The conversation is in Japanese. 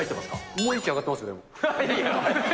もう息上がってます、でも。